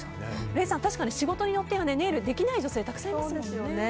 礼さん、仕事によってはネイルできない女性たくさんいますもんね。